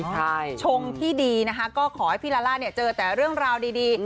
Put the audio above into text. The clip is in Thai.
ก็ขอให้พี่ลาล่าเจอแต่เรื่องราวดี